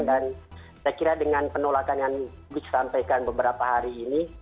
dan saya kira dengan penolakan yang dries sampaikan beberapa hari ini